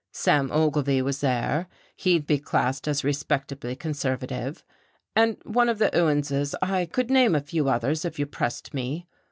Sam Ogilvy was there, he'd be classed as respectably conservative. And one of the Ewanses. I could name a few others, if you pressed me.